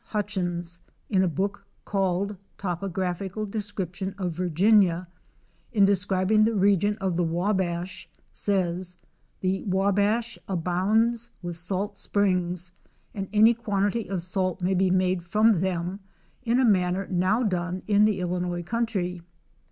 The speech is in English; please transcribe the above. Hutchins in a book called "Topographical Description of Virginia" in describing the region of the Wabash says: ''The Wabash abounds with salt springs and any quantity of salt may be made from them in a manner now done in the Illinois country."